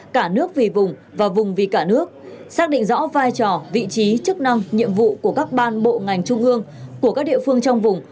cả nước vì vùng và vùng vì cả nước xác định rõ vai trò vị trí chức năng nhiệm vụ của các ban bộ ngành trung ương của các địa phương trong vùng